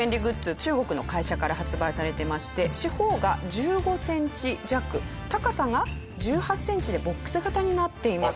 中国の会社から発売されてまして四方が１５センチ弱高さが１８センチでボックス型になっています。